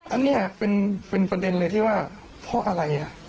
อันนี้เป็นประเด็นเลยที่ว่าเพราะอะไร